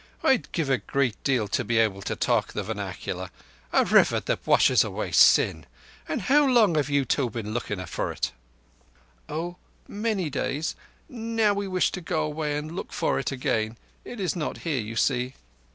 "I'd give a good deal to be able to talk the vernacular. A river that washes away sin! And how long have you two been looking for it?" "Oh, many days. Now we wish to go away and look for it again. It is not here, you see."